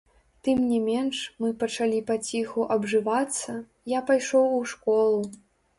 Тым не менш, мы пачалі паціху абжывацца, я пайшоў у школу.